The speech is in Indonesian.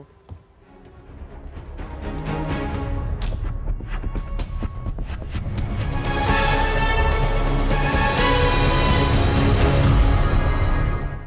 pertanyaan yang terakhir